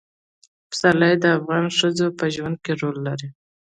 پسرلی د افغان ښځو په ژوند کې رول لري.